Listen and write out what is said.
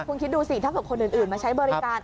คุณคิดดูสิถ้าเกิดคนอื่นมาใช้บริการ